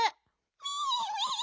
ミミ！